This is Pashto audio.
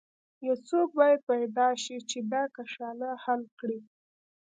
یو څوک باید پیدا شي چې دا کشاله حل کړي.